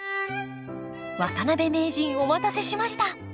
渡辺名人お待たせしました！